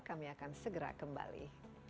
kami akan segera kembali